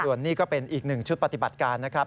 ส่วนนี้ก็เป็นอีกหนึ่งชุดปฏิบัติการนะครับ